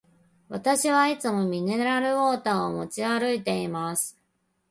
私はいつもミネラルウォーターを持ち歩いています。